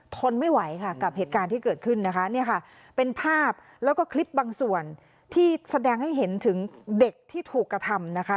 ทนไม่ไหวค่ะกับเหตุการณ์ที่เกิดขึ้นนะคะเนี่ยค่ะเป็นภาพแล้วก็คลิปบางส่วนที่แสดงให้เห็นถึงเด็กที่ถูกกระทำนะคะ